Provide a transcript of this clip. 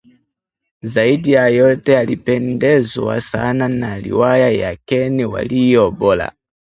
Zaidi ya yote alipendezwa sana na riwaya za Ken Walibora